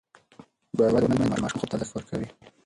باسواده میندې د ماشومانو خوب ته ارزښت ورکوي.